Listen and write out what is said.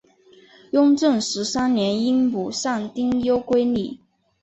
雍正十三年因母丧丁忧归里。